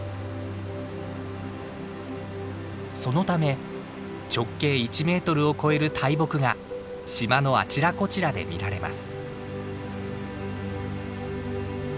そのため直径１メートルを超える大木が島のあちらこちらで見られます。